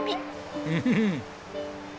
うん。